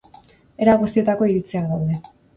Era guztietako iritziak daude.